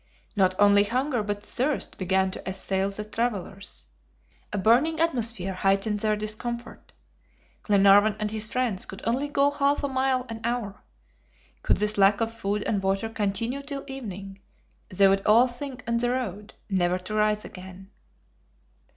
Not only hunger, but thirst began to assail the travelers. A burning atmosphere heightened their discomfort. Glenarvan and his friends could only go half a mile an hour. Should this lack of food and water continue till evening, they would all sink on the road, never to rise again.